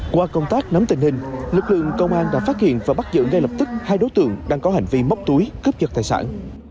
qua công tác nắm tình hình lực lượng công an đã phát hiện và bắt giữ ngay lập tức hai đối tượng đang có hành vi móc túi cướp giật tài sản